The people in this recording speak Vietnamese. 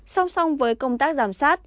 song song với công tác giám sát